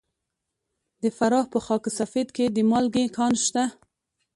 د فراه په خاک سفید کې د مالګې کان شته.